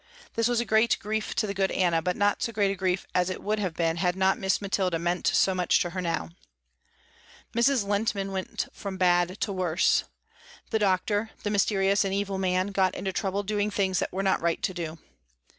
This was a great grief to the good Anna, but not so great a grief as it would have been had not Miss Mathilda meant so much to her now. Mrs. Lehntman went from bad to worse. The doctor, the mysterious and evil man, got into trouble doing things that were not right to do.